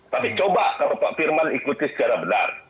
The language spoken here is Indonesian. tapi coba kalau pak firman ikuti secara benar